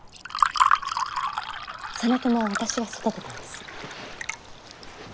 実朝は私が育てたんです。